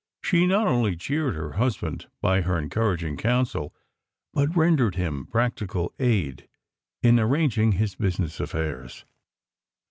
She not only cheered her husband by her encouraging counsel, but rendered him practical aid in arranging his business affairs.